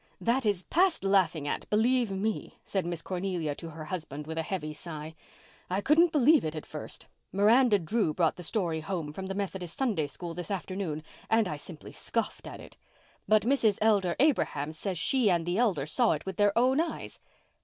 "That is past laughing at, believe me," said Miss Cornelia to her husband, with a heavy sigh. "I couldn't believe it at first. Miranda Drew brought the story home from the Methodist Sunday School this afternoon and I simply scoffed at it. But Mrs. Elder Abraham says she and the Elder saw it with their own eyes."